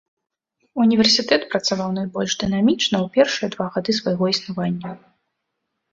Універсітэт працаваў найбольш дынамічна ў першыя два гады свайго існавання.